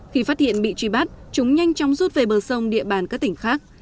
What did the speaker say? khi phát hiện bị truy bắt chúng nhanh chóng rút về bờ sông địa bàn các tỉnh khác